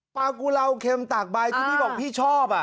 ปากุราวเข็มตากใบที่พี่บอกพี่ชอบอ่ะ